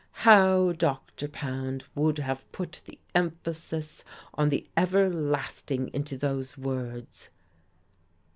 How Dr. Pound would have put the emphasis of the Everlasting into those words!